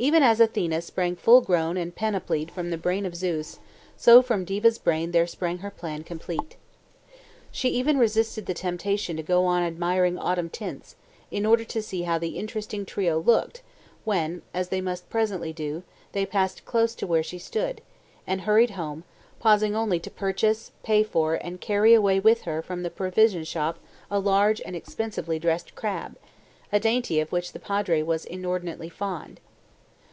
Even as Athene sprang full grown and panoplied from the brain of Zeus, so from Diva's brain there sprang her plan complete. She even resisted the temptation to go on admiring autumn tints, in order to see how the interesting trio "looked" when, as they must presently do, they passed close to where she stood, and hurried home, pausing only to purchase, pay for, and carry away with her from the provision shop a large and expensively dressed crab, a dainty of which the Padre was inordinately fond.